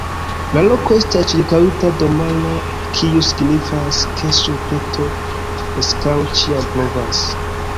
La loko estas ĉirkaŭita de maro kiu signifas, ke sur Kreto preskaŭ ĉiam blovas.